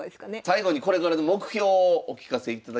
最後にこれからの目標をお聞かせいただけますでしょうか。